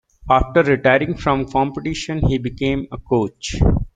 After retiring from competition he became a coach.